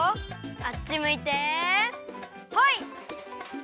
あっちむいてホイ！